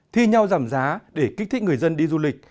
thi nhau giảm giá để kích thích người dân đi du lịch